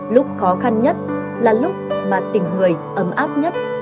lúc khó khăn nhất là lúc mà tình người ấm áp nhất